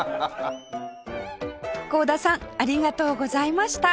幸田さんありがとうございました